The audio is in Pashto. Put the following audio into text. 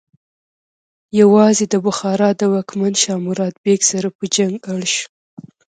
یوازې د بخارا د واکمن شاه مراد بیک سره په جنګ اړ شو.